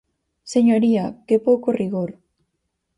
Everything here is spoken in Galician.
Señoría, ¡que pouco rigor!